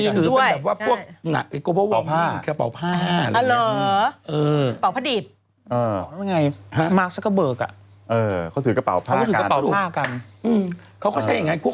เขาก็ใช้อย่างนั้นเพราะว่าคนรวยจริงเขาจะไม่รู้